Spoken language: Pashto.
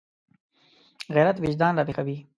غیرت وجدان راویښوي